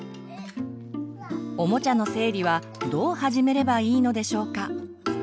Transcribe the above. おもちゃの整理はどう始めればいいのでしょうか？